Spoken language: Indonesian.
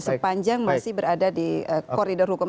sepanjang masih berada di koridor hukum